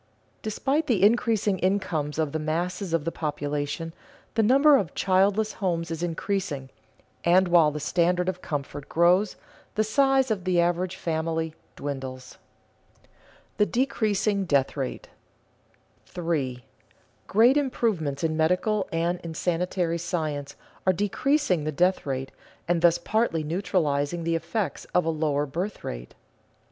Despite the increasing incomes of the masses of the population, the number of childless homes is increasing, and while the standard of comfort grows, the size of the average family dwindles. [Sidenote: The decreasing death rate] 3. _Great improvements in medical and in sanitary science are decreasing the death rate and thus partly neutralizing the effects of a lower birth rate.